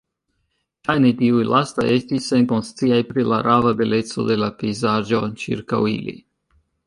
Ŝajne tiuj lastaj estis senkonsciaj pri la rava beleco de la pejzaĝo ĉirkaŭ ili.